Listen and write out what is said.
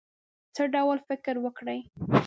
څه ډول فکر وکړی.